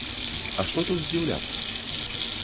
А што тут здзіўляцца?